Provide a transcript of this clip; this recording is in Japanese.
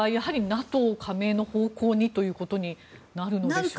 ＮＡＴＯ加盟の方向にということになるのでしょうか。